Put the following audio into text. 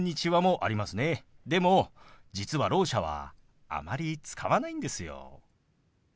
でも実はろう者はあまり使わないんですよ。